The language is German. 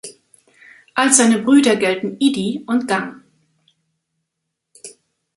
Als seine Brüder gelten Idi und Gang.